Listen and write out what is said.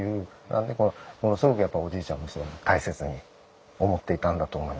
なんでものすごくおじいちゃんも大切に思っていたんだと思いますね。